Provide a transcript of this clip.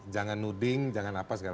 jangan nuding jangan apa segala